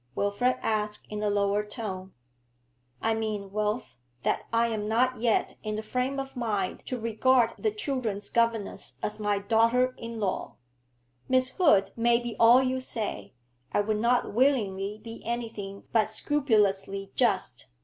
Wilfrid asked in a lower tone. 'I mean, Wilf, that I am not yet in the frame of mind to regard the children's governess as my daughter in law. Miss Hood may be all you say; I would not willingly be anything but scrupulously just.